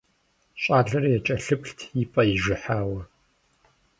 Щӏалэр якӀэлъыплът и пӀэ ижыхьауэ.